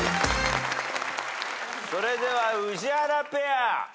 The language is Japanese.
それでは宇治原ペア。